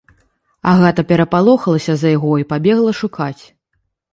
Агата перапалохалася за яго і пабегла шукаць.